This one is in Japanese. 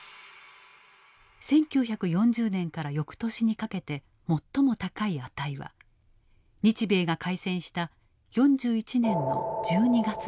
１９４０年から翌年にかけて最も高い値は日米が開戦した４１年の１２月だった。